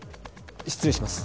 失礼します。